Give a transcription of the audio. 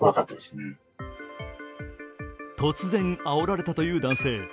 突然あおられたという男性。